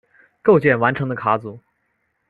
构建完成的卡组。